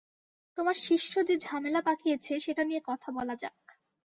তোমার শিষ্য যে ঝামেলা পাকিয়েছে সেটা নিয়ে কথা বলা যাক।